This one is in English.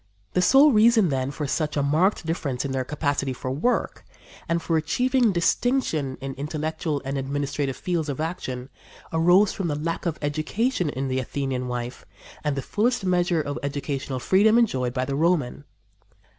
The sole reason, then, for such a marked difference in their capacity for work and for achieving distinction in intellectual and administrative fields of action arose from the lack of education in the Athenian wife and the fullest measure of educational freedom enjoyed by the Roman.